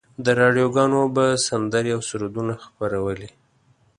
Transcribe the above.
راډیوګانو به سندرې او سرودونه خپرولې.